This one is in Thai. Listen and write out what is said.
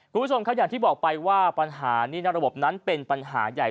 คุณผู้ชมครับอย่างที่บอกไปว่าปัญหานี่นอกระบบนั้นเป็นปัญหาใหญ่